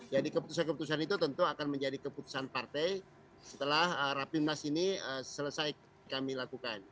jadi keputusan keputusan itu tentu akan menjadi keputusan partai setelah rapimnas ini selesai kami lakukan